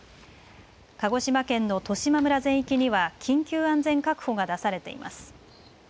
鹿児島県の十島村全域には緊急安全確保が出されています。